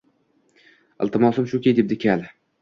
Iltimosim shuki, debdi kal